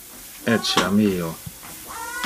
Etiam io.